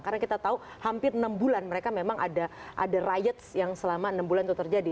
karena kita tahu hampir enam bulan mereka memang ada riots yang selama enam bulan itu terjadi